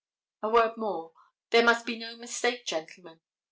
A word more. There must be no mistake, gentlemen.